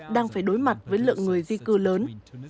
đang phải đối mặt với lượng người di cư lớn